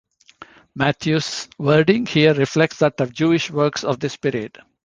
Matthew's wording here reflects that of Jewish works of this period.